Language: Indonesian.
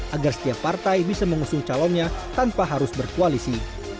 agar setiap partai bisa mengusul calonnya tanpa harus berkualisi